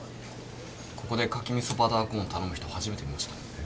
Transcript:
ここで牡蠣味噌バターコーン頼む人初めて見ました。